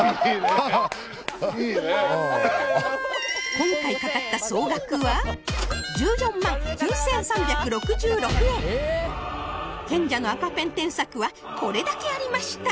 今回かかった総額は賢者の赤ペン添削はこれだけありました